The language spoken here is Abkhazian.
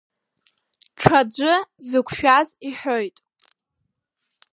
Ҽаӡәы дзықәшәаз иҳәоит.